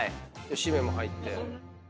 しめも入って。